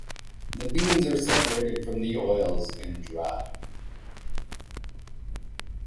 The beans are separated from the oils and dried.